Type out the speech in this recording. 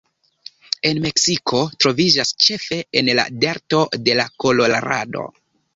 En Meksiko troviĝas ĉefe en la delto de Kolorado.